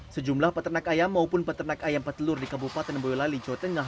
sejumlah peternak ayam maupun peternak ayam petelur di kabupaten boyolali jawa tengah